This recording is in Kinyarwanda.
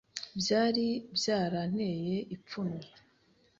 byari byaranteye ipfunwe